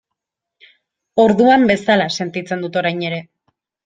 Orduan bezala sentitzen dut orain ere.